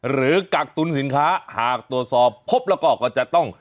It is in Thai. กักตุลสินค้าหากตรวจสอบพบแล้วก็ก็จะต้อง